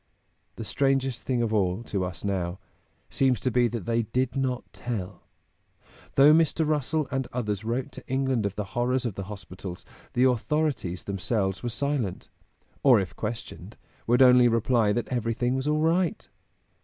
The strangest thing of all, to us now, seems to be that they did not tell. Though Mr. Russell and others wrote to England of the horrors of the hospitals, the authorities themselves were silent, or if questioned, would only reply that everything was "all right."